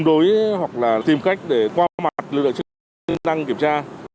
đối hoặc là tìm cách để qua mặt lực lượng chức năng kiểm tra